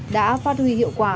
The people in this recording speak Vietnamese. đã phát huy hiệu quả